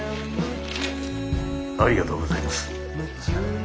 ありがとうございます。